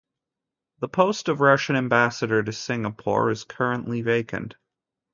The post of Russian Ambassador to Singapore is currently vacant.